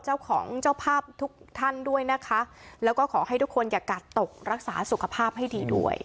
เจ้าของเจ้าภาพทุกท่านด้วยนะคะแล้วก็ขอให้ทุกคนอย่ากาดตกรักษาสุขภาพให้ดีด้วย